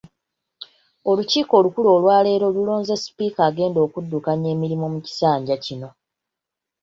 Olukiiko olukulu olwaleero lulonze sipiika agenda okuddukanya emirimu mu kisanja kino .